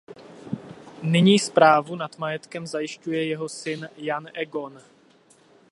Nyní správu nad majetkem zajišťuje jeho syn Jan Egon.